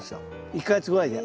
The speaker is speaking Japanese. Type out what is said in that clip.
１か月ぐらいで。